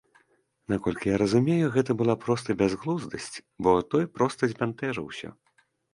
Наколькі я разумею, гэта была проста бязглуздасць, бо той проста збянтэжыўся.